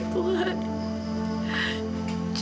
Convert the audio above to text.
it's dulu banyak why